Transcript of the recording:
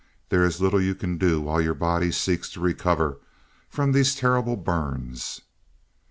There is little you can do while your body seeks to recover from these terrible burns."